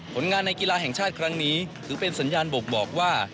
ผลงานในกีฬาแห่งชาติครั้งนี้ถือเป็นสัญญาณบ่งบอกว่า